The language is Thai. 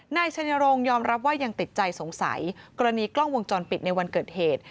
นายชัยนรงค์ยอมรับว่ายังติดใจสงสัยกรณีกล้องวงจรปิดในวันเกิดเหตุ